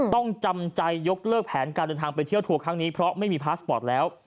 จำใจยกเลิกแผนการเดินทางไปเที่ยวทัวร์ครั้งนี้เพราะไม่มีพาสปอร์ตแล้ว